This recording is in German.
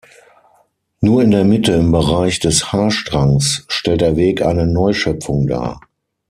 Nur in der Mitte im Bereich des Haarstrangs stellt der Weg eine Neuschöpfung dar.